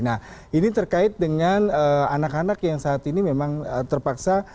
nah ini terkait dengan anak anak yang saat ini memang terpaksa